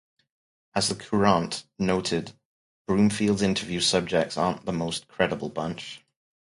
As "The Courant" noted: Broomfield's interview subjects aren't the most credible bunch.